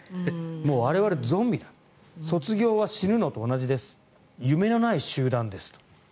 我々、ゾンビだ卒業は死ぬのと同じです夢のない集団ですと。